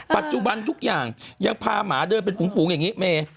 ปัจจุบันทุกอย่างยังพาหมาเดินเป็นฝูงอย่างนี้เม